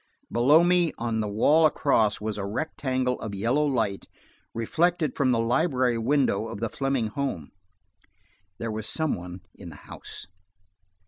Below me, on the wall across, was a rectangle of yellow light, reflected from the library window of the Fleming home. There was some one in the house.